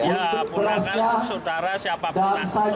ya keponakan saudara siapa pun